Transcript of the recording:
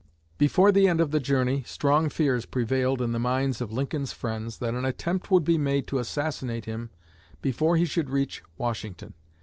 Before the end of the journey, strong fears prevailed in the minds of Lincoln's friends that an attempt would be made to assassinate him before he should reach Washington.